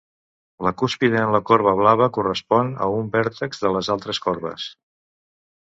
La cúspide en la corba blava correspon a un vèrtex en les altres corbes.